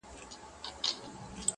د زلفو بڼ كي د دنيا خاوند دی~